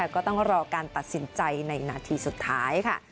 ก็ต้องรอการตัดสินใจในนาทีสุดท้ายค่ะ